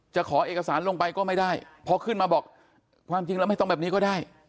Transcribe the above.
ขอเอกสารลงไปก็ไม่ได้พอขึ้นมาบอกความจริงแล้วไม่ต้องแบบนี้ก็ได้